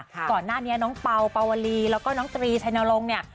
ก่อนหน้านี้น้องเป่าเป่าวลีแล้วก็น้องตรีชัยนรงค์เนี่ย